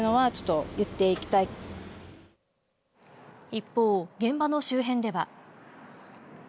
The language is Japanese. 一方、現場の周辺では。